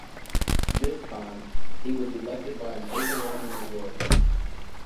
This time, he was elected by an overwhelming majority.